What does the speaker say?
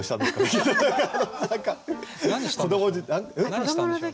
何したんでしょう？